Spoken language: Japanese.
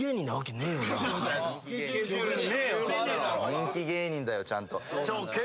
人気芸人だよちゃんと。